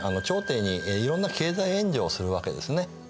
朝廷にいろんな経済援助をするわけですね。